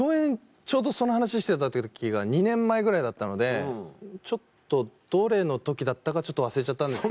ちょうどその話してた時が２年前ぐらいだったのでちょっとどれの時だったか忘れちゃったんですけど。